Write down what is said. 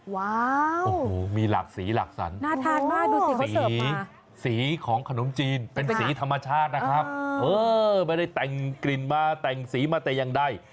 ว้าวมีหลักสีหลักสรรค์สีของขนมจีนเป็นสีธรรมชาตินะครับไม่ได้แต่งกลิ่นมาแต่งสีมาแต่ยังได้